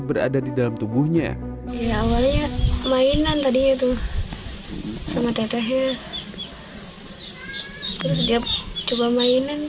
berada di dalam tubuhnya ya awalnya mainan tadi itu sama tetehnya terus dia coba mainan